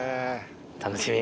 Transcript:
楽しみ。